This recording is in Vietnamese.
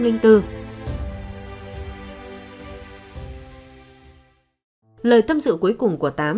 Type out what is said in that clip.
lời tâm sự cuối cùng của tám